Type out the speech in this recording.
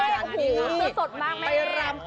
โอ้โฮเสื้อสดมากแม่